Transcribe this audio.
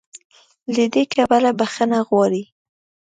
له دې کبله "بخښنه غواړي"